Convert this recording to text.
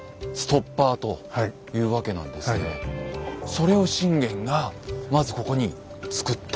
それを信玄がまずここに造った。